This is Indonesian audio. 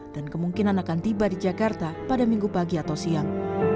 dan kemungkinan akan tiba di jakarta pada minggu pagi atau siang